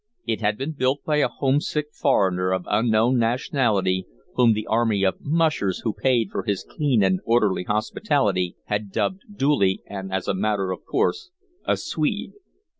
It had been built by a homesick foreigner of unknown nationality whom the army of "mushers" who paid for his clean and orderly hospitality had dubbed duly and as a matter of course a "Swede."